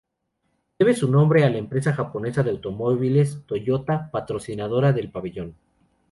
Debe su nombre a la empresa japonesa de automóviles Toyota, patrocinadora del pabellón.